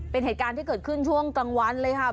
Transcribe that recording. เป็นเหตุการณ์ที่เกิดขึ้นช่วงกลางวันเลยค่ะ